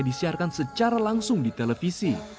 di siarkan secara langsung di televisi